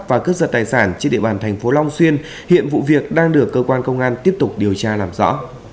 và cướp giật tài sản trên địa bàn thành phố long xuyên hiện vụ việc đang được cơ quan công an tiếp tục điều tra làm rõ